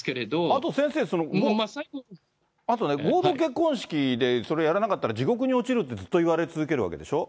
あと先生、あとね、合同結婚式で、それやらなかったら、地獄に落ちるって、ずっと言われ続けるわけでしょ。